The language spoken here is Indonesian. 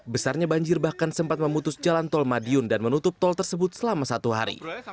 besarnya banjir bahkan sempat memutus jalan tol madiun dan menutup tol tersebut selama satu hari